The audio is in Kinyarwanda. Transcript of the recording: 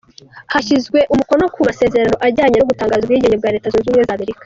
Hashyizwe umukono ku masezerano ajyanye no gutangaza ubwigenge bwa Leta Zunze Ubumwe z’Amerika.